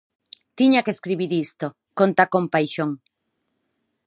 Tiña que escribir isto, conta con paixón.